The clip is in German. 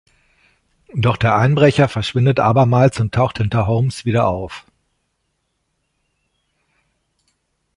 Doch der Einbrecher verschwindet abermals und taucht hinter Holmes wieder auf.